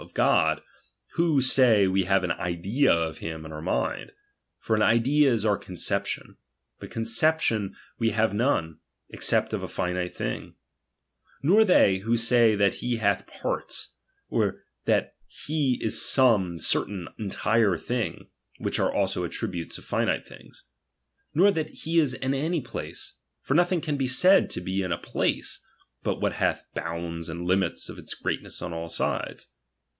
of Giod, who say we have an idea of him in our ^ TTIT ' mind : for an idea is our couception ; but eon na™"' '""■^ ception we have none, except of a Jinlte thing, g^; aiuii.m'U Nor they, who say that he hath parts, or that he is some certain entire thing ; which are also attri hntes oi Jinile things. Nor that he is in any place ; for nothing can be said to be in a place, but what hath hounds and limits of its greatness on all sides.